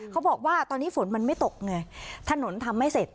เขาบอกว่าตอนนี้ฝนมันไม่ตกไงถนนทำไม่เสร็จ